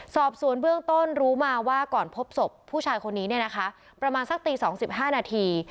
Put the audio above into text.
สอบสวนเบื้องต้นรู้มาว่าก่อนพบศพผู้ชายคนนี้เนี่ยนะคะประมาณสักตี๒๕นาที